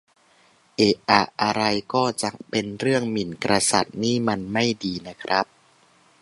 เอะอะอะไรก็จะให้เป็นเรื่องหมิ่นกษัตริย์นี่มันไม่ดีนะครับ